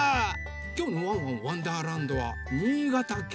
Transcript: きょうの「ワンワンわんだーらんど」は新潟県！